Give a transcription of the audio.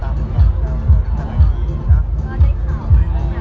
หมดจะเรารู้ว่าดีใจแบบได้รับเครียม